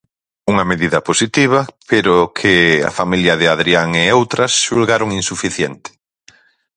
Unha medida positiva pero que a familia de Hadrián e outras xulgaron insuficiente.